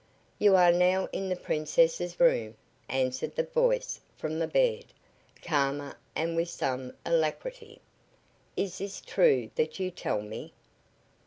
"You are now in the Princess's room," answered the voice from the bed, calmer and with some alacrity. "Is this true that you tell me?"